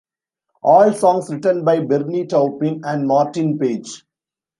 All songs written by Bernie Taupin and Martin Page.